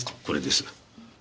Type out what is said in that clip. これです。